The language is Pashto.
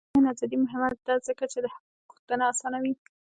د بیان ازادي مهمه ده ځکه چې د حق غوښتنه اسانوي.